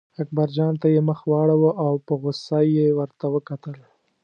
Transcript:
اکبرجان ته یې مخ واړاوه او په غوسه یې ورته وکتل.